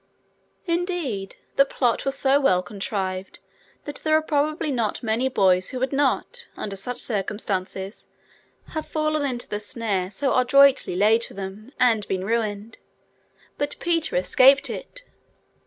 Indeed, the plot was so well contrived that there are probably not many boys who would not, under such circumstances, have fallen into the snare so adroitly laid for them and been ruined; but Peter escaped it.